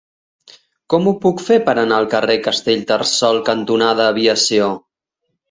Com ho puc fer per anar al carrer Castellterçol cantonada Aviació?